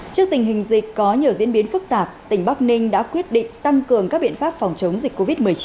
trước tình hình dịch có nhiều diễn biến phức tạp tỉnh bắc ninh đã quyết định tăng cường các biện pháp phòng chống dịch covid một mươi chín